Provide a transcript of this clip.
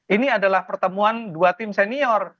ini adalah pertemuan dua tim senior